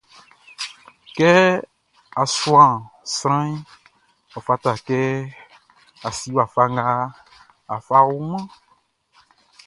Kɛ á súan sranʼn, ɔ fata kɛ a si wafa nga á fá ɔ wun mánʼn.